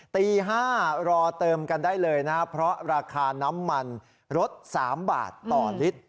ตี๕รอเติมกันได้เลยนะครับเพราะราคาน้ำมันลด๓บาทต่อลิตร